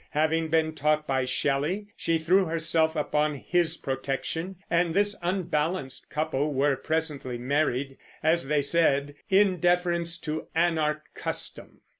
Having been taught by Shelley, she threw herself upon his protection; and this unbalanced couple were presently married, as they said, "in deference to anarch custom."